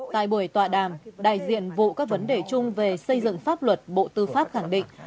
tại buổi tọa đàm đại diện vụ các vấn đề chung về xây dựng pháp luật bộ tư pháp khẳng định